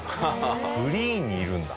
グリーンにいるんだ。